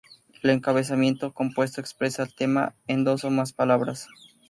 El encabezamiento compuesto expresa el tema en dos ó más palabras.